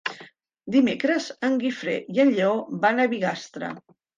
Dimecres en Guifré i en Lleó van a Bigastre.